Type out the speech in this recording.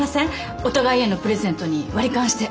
お互いへのプレゼントに割り勘して。